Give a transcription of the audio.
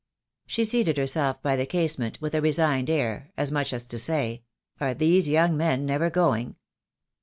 She seated herself by the casement with a resigned air, as much as to say, "Are these young men never going?"